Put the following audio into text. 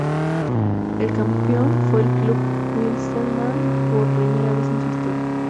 El Campeón fue el Club Wilstermann por primera vez en su historia.